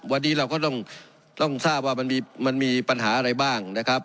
วันนี้เราก็ต้องทราบว่ามันมีปัญหาอะไรบ้างนะครับ